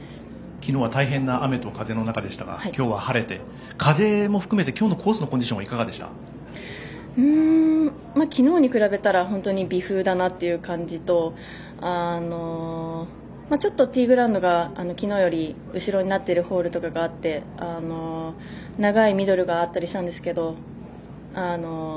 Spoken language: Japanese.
昨日は大変な雨と風の中でしたが今日は晴れて風も含めて今日のコースの昨日に比べたら本当に微風だなという感じとちょっとティーグラウンドが昨日より後ろになっているホールとかがあって長いミドルがあったりしたんですけど。